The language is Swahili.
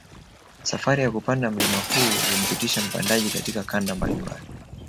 Safari ya kupanda mlima huu humpitisha mpandaji katika kanda mbalimbali